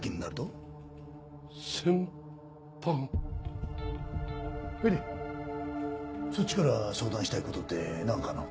ほいでそっちから相談したいことって何かの？